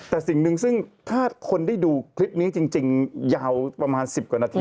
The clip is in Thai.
แต่สิ่งหนึ่งซึ่งถ้าคนได้ดูคลิปนี้จริงยาวประมาณ๑๐กว่านาที